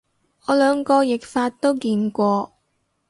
我兩個譯法都見過